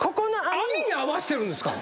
網に合わせてるんですか。